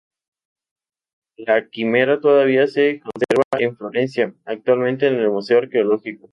La Quimera todavía se conserva en Florencia, actualmente en el museo arqueológico.